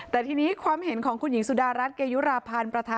แต่ทีนี้ความเห็นของคุณหญิงสุดารัฐเกยุราพันธ์